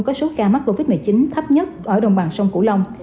có số ca mắc covid một mươi chín thấp nhất ở đồng bằng sông cửu long